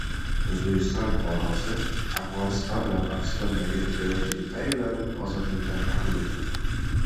O‘zbekiston fuqarosi Afg‘oniston va Pokistondagi terrorchilikda ayblanib, ozodlikdan mahrum etildi